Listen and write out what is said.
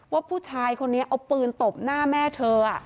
ว่าผู้ชายคนนี้เอาปืนตบหน้าแม่เธอ